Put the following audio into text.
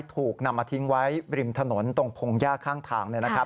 ถูกนำมาทิ้งไว้ริมถนนตรงพงหญ้าข้างทาง